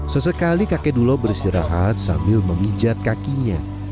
sesekali kakek dulo beristirahat sambil memijat kakinya